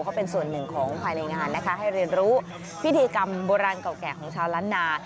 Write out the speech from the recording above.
เขาเป็นส่วนหนึ่งของภายในงานนะคะให้เรียนรู้พิธีกรรมโบราณเก่าแก่ของชาวล้านนา